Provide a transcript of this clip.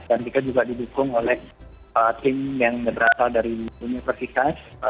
dan kita juga didukung oleh tim yang berasal dari universitas